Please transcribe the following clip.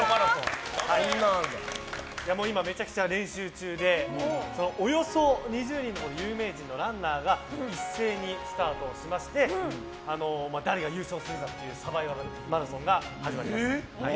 今、めちゃくちゃ練習中でおよそ２０人の有名人のランナーが一斉にスタートをしまして誰が優勝するかというサバイバルマラソンが始まります。